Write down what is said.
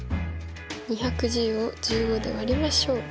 ２１０を１５で割りましょう。